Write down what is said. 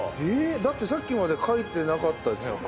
だってさっきまで書いてなかったですよね。